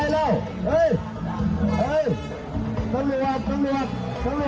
สังรวจสังรวจสังรวจมาจับมา